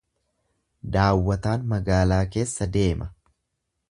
Daawwataan magaalaa keessa deema.